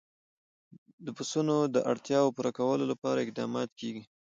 د پسونو د اړتیاوو پوره کولو لپاره اقدامات کېږي.